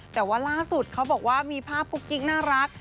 แต่ว่าล่าสุดเขาบอกว่ามีภาพกุ๊กกิ๊กน่ารัก